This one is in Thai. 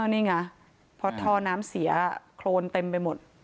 นี่ไงเพราะท่อน้ำเสียโครนเต็มไปหมด